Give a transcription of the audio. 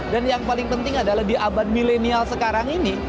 dan yang paling penting adalah di abad milenial sekarang ini